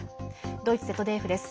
ドイツＺＤＦです。